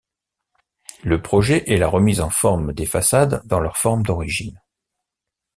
Le projet est la remise en forme des façades dans leur forme d'origine.